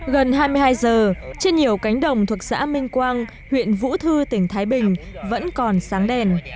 gần hai mươi hai giờ trên nhiều cánh đồng thuộc xã minh quang huyện vũ thư tỉnh thái bình vẫn còn sáng đèn